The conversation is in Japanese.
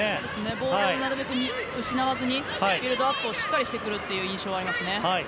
ボールをなるべく失わずにビルドアップをしっかりしてくる印象がありますね。